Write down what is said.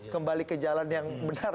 kembali ke jalan yang benar